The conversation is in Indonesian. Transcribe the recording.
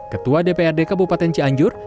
ketua dprd kabupaten cianjur